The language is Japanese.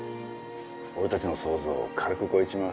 俺たちの想像を軽く超えちまう。